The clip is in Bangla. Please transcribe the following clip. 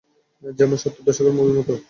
যেমন সত্তর দশকের মুভির মত।